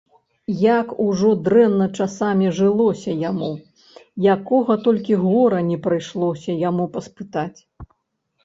Як ужо дрэнна часамі жылося яму, якога толькі гора не прыйшлося яму паспытаць!